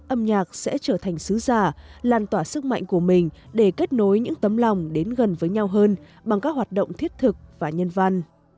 âm nhạc sẽ trở thành sứ giả lan tỏa sức mạnh của mình để kết nối những tấm lòng đến gần với nhau hơn bằng các hoạt động thiết thực và nhân văn